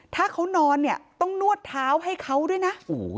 ถ้าเขานอนเนี่ยต้องนวดเท้าให้เขาด้วยนะ